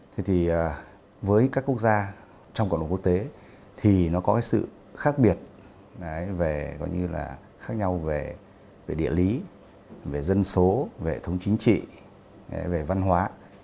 thế thì với các quốc gia trong cộng đồng quốc tế thì nó có sự khác biết về có như là khác nhau về địa lý về dân số về thống chính trị về văn hóa